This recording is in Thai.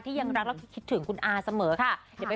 ยังรักแล้วก็คิดถึงคุณอาเสมอค่ะ